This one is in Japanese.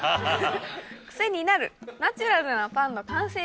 クセになるナチュラルなパンの完成です。